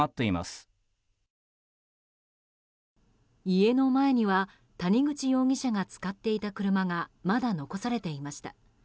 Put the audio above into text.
家の前には谷口容疑者が使っていた車がまだ残されていました。